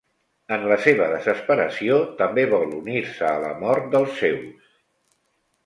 En la seva desesperació, també vol unir-se a la mort dels seus.